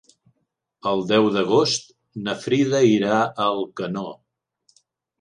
El deu d'agost na Frida irà a Alcanó.